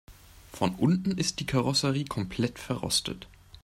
Von unten ist die Karosserie komplett verrostet.